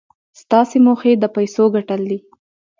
ستاسې موخه د پيسو ګټل دي.